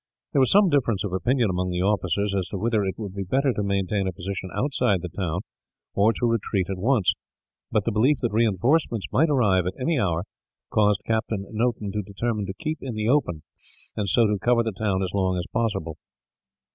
There was some difference of opinion, among the officers, as to whether it would be better to maintain a position outside the town, or to retreat at once; but the belief that reinforcements might arrive, at any hour, caused Captain Noton to determine to keep in the open, and so to cover the town as long as possible.